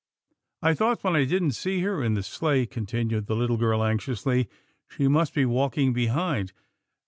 " I thought when I didn't see her in the sleigh," continued the little girl anxiously, she must be walking behind.